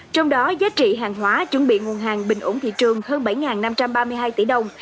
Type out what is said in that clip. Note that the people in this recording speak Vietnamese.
trong đó giá trị hàng hóa chuẩn bị nguồn hàng bình ổn thị trường hơn bảy năm trăm ba mươi hai tỷ đồng